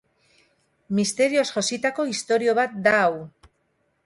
Misterioz jositako istorio bat da hau.